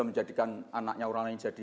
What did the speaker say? menjadikan anaknya orang lain jadi